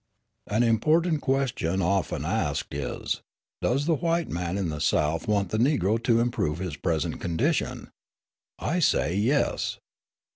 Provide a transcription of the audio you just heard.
An important question often asked is, Does the white man in the South want the Negro to improve his present condition? I say, "Yes."